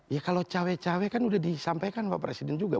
ya kalau cawe cawe kan udah disampaikan pak presiden juga